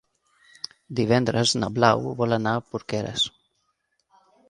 Divendres na Blau vol anar a Porqueres.